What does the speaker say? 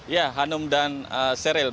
ya hanum dan seryl